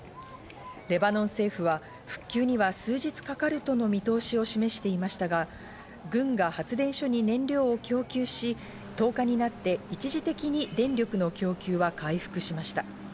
レバノン政府は復旧には数日かかるとの見通しを示していましたが、軍が発電所に燃料を供給し、１０日になって一時的に電力の供給は回復しました。